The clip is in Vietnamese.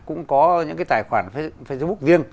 cũng có những cái tài khoản facebook riêng